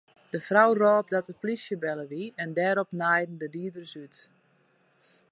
De frou rôp dat de polysje belle wie en dêrop naaiden de dieders út.